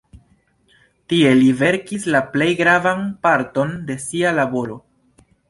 Tie li verkis la plej gravan parton de sia laboro.